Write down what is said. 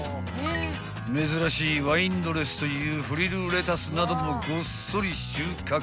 ［珍しいワインドレスというフリルレタスなどもごっそり収穫］